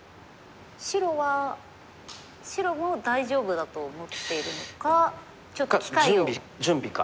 白は白も大丈夫だと思っているのかちょっと機会を。